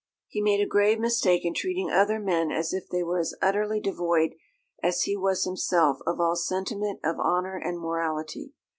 He made a grave mistake in treating other men as if they were as utterly devoid as he was himself of all sentiment of honour and morality.